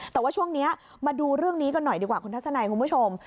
แต่ว่าช่วงนี้มาดูเรื่องนี้กันหน่อยดีกว่าคุณทัศนัยคุณผู้ชม